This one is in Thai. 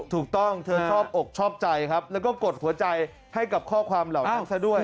ถูกต้องเธอชอบอกชอบใจครับแล้วก็กดหัวใจให้กับข้อความเหล่านั้นซะด้วย